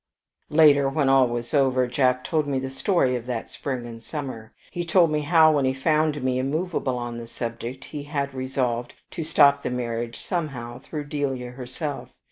"Later, when all was over, Jack told me the story of that spring and summer. He told me how, when he found me immovable on the subject, he had resolved to stop the marriage somehow through Delia herself.